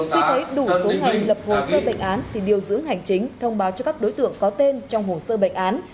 tuy thấy đủ số ngành lập hồ sơ bệnh án thì điều dưỡng hành chính thông báo cho các đối tượng có tên trong hồ sơ bệnh án